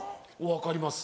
分かります。